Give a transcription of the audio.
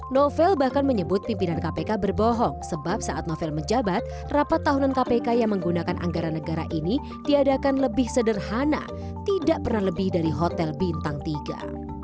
novel bahkan menyebut pimpinan kpk berbohong sebab saat novel menjabat rapat tahunan kpk yang menggunakan anggaran negara ini diadakan lebih sederhana tidak pernah lebih dari hotel bintang tiga